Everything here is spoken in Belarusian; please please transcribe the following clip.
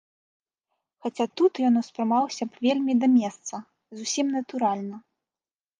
Хаця тут ён успрымаўся б вельмі да месца, зусім натуральна.